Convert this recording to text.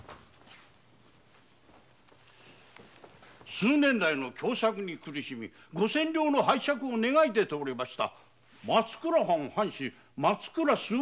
数年来の凶作に苦しみ五千両の拝借を願い出ておりました松倉藩藩主松倉周防